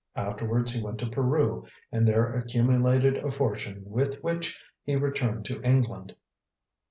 Afterwards he went to Peru and there accumulated a fortune, with which he returned to England.